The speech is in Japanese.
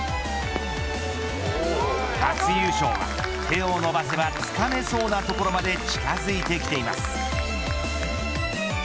初優勝は手を伸ばせばつかめそうなところまで近づいてきています。